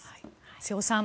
瀬尾さん